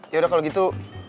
yaudah kalau gitu